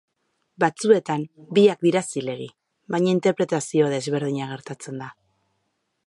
Batzuetan biak dira zilegi, baina interpretazioa desberdina gertatzen da.